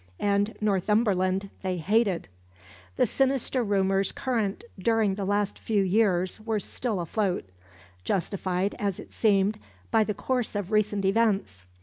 And Northumberland they hated. The sinister rumours current during the last few years were still afloat; justified, as it seemed, by the course of recent events.